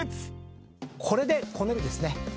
これで「捏ねる」ですね。